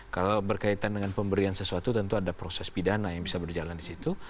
kalau berkaitan dengan pemberian sesuatu tentu ada proses pidana yang bisa berjalan di situ